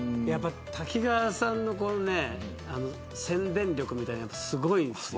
瀧川さんの宣伝力みたいなものがすごいんです。